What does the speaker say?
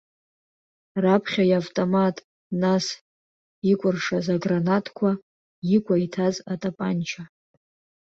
Раԥхьа иавтомат, нас икәыршаз агранатқәа, икәа иҭаз атапанча.